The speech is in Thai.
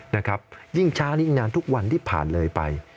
ยิ่งช้ายิ่งนานทุกวันที่ผ่านเลยไป